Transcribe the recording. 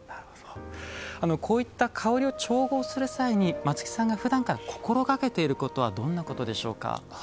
こういった香りを調合する際に松木さんが、ふだんから心がけていることはどんなことでしょうか？